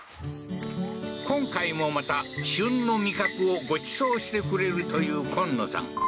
今回もまた旬の味覚をご馳走してくれるという昆野さん